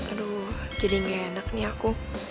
aduh jadi gak enak nih aku